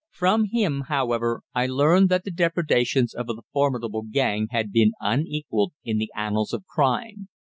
From him, however, I learned that the depredations of the formidable gang had been unequalled in the annals of crime.